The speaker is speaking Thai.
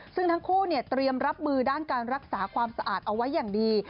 ซึ่งทั้งคู่เตรียมรับมือด้านการรักษาความสะอาดเอาไว้อย่างดี